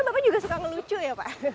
bapak juga suka ngelucu ya pak